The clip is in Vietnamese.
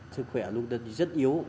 sức khỏe lúc đó rất yếu